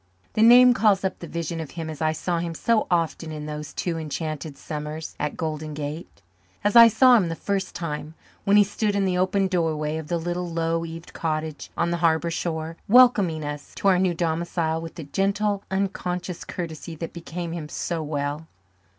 The name calls up the vision of him as I saw him so often in those two enchanted summers at Golden Gate; as I saw him the first time, when he stood in the open doorway of the little low eaved cottage on the harbour shore, welcoming us to our new domicile with the gentle, unconscious courtesy that became him so well.